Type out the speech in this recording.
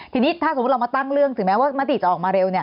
ทีนี้ถ้าสมมติว่าเรามาตั้งเรื่องถึงแม้ว่ามัดสิตจะออกมาเร็ว